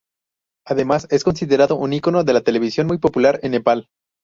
Además es considerado un icono de la televisión muy popular en Nepal.